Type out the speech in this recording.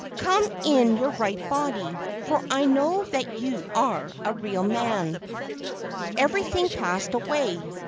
Come in your right body, for I know that you are a real man." Everything passed away.